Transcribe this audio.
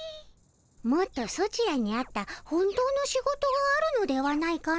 もっとソチらに合った本当の仕事があるのではないかの。